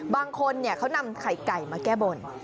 บางคนเขานำไข่ไก่มาแก้บน